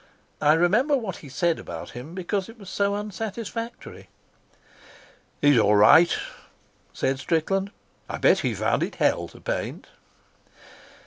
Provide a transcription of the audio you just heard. I remember what he said about him because it was so unsatisfactory. "He's all right," said Strickland. "I bet he found it hell to paint."